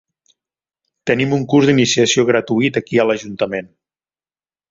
Tenim un curs d'iniciació gratuït aquí a l'ajuntament.